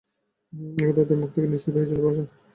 একদা দেবমুখ থেকে নিঃসৃত হয়েছিল ভাষা।